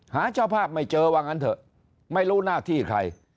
เจ้าภาพไม่เจอว่างั้นเถอะไม่รู้หน้าที่ใคร